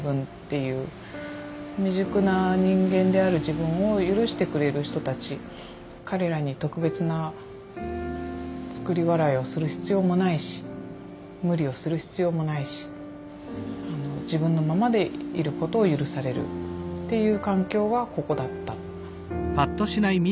未熟な人間である自分を許してくれる人たち彼らに特別な作り笑いをする必要もないし無理をする必要もないし自分のままでいることを許されるっていう環境はここだった。